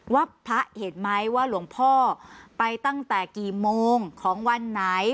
ว่าพระเห็นไหมว่าหลวงพ่อไปตั้งแต่กี่โมงของวันไหน